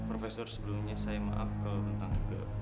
profesor sebelumnya saya maaf kalau tentang ke